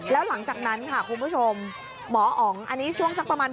แล้วหลังจากนั้นค่ะคุณผู้ชมหมออ๋องอันนี้ช่วงสักประมาณ